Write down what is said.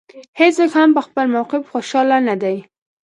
هېڅوک هم په خپل موقف خوشاله نه دی.